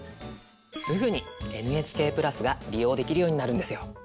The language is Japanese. すぐにＮＨＫ＋が利用できるようになるんですよ。